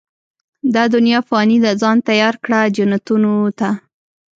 دا دنيا فاني ده، ځان تيار کړه، جنتونو ته